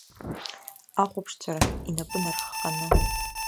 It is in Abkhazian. Ахәаԥшцәа рахь инапы нархханы.